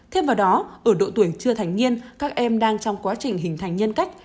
thêm vào đó ở độ tuổi chưa thành niên các em đang trong quá trình hình thành nhân cách